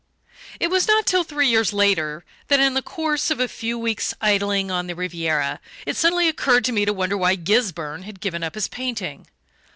It was not till three years later that, in the course of a few weeks' idling on the Riviera, it suddenly occurred to me to wonder why Gisburn had given up his painting.